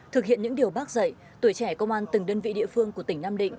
thực hiện những điều bác dạy tuổi trẻ công an từng đơn vị địa phương của tỉnh nam định